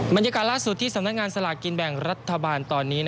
บรรยากาศล่าสุดที่สำนักงานสลากกินแบ่งรัฐบาลตอนนี้